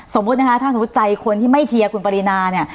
สมมุตินะคะถ้าสมมุติใจคนที่ไม่เชียร์คุณปรินาเนี่ย